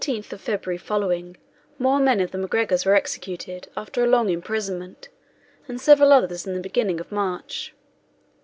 On the 18th of February following, more men of the MacGregors were executed, after a long imprisonment, and several others in the beginning of March.